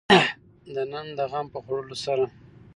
د نن د غم په خوړلو سره.